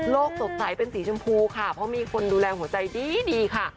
สดใสเป็นสีชมพูค่ะเพราะมีคนดูแลหัวใจดีค่ะ